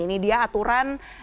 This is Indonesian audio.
ini dia aturan